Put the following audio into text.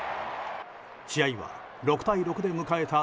試合は６対６で迎えた